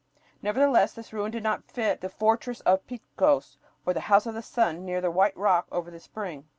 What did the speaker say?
Nevertheless this ruin did not fit the "fortress of Pitcos," nor the "House of the Sun" near the "white rock over the spring."